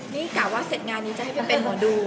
นี่กล่าวว่าเสร็จงานนี้จะให้เป็นโหมดู